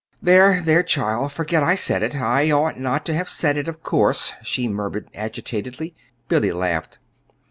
"There, there, child, forget I said it. I ought not to have said it, of course," she murmured agitatedly. Billy laughed.